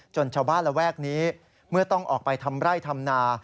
ชาวบ้านระแวกนี้เมื่อต้องออกไปทำไร่ทำนา